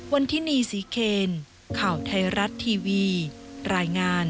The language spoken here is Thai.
วันที่นี่ศรีเคนข่าวไทยรัฐทีวีรายงาน